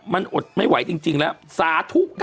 มันอดไม่ไหวจริงแล้วสาธุ